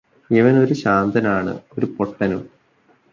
ഇവന് ഒരു ശാന്തനാണ് ഒരു പൊട്ടനും